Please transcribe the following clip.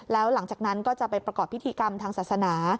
แล้วหลังจากนั้นก็จะไปประกอบพิธีกรรมทางศาสนา